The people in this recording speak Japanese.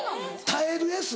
耐えるＳ！